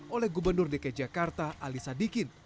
oleh gubernur dki jakarta alisa dikin